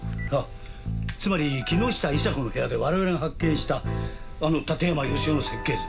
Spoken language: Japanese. つまり木下伊沙子の部屋で我々が発見したあの館山義男の設計図。